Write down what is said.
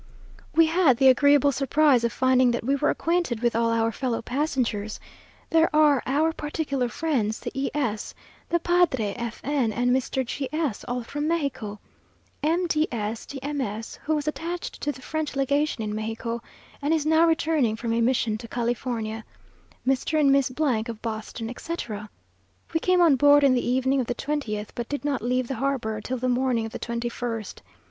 We had the agreeable surprise of finding that we were acquainted with all our fellow passengers. There are our particular friends the E s, the padre F n, and Mr. G s, all from Mexico; M. D s de M s, who was attached to the French legation in Mexico, and is now returning from a mission to California; Mr. and Miss of Boston, etc. We came on board on the evening of the twentieth, but did not leave the harbour till the morning of the twenty first.